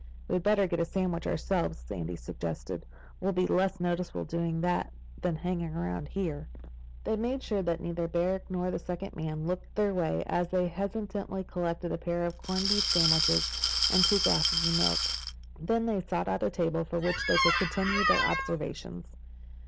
"We'd better get a sandwich ourselves," Sandy suggested. "We'll be less noticeable doing that than hanging around here." They made sure that neither Barrack nor the second man looked their way as they hastily collected a pair of corned beef sandwiches and two glasses of milk. Then they sought out a table from which they could continue their observations.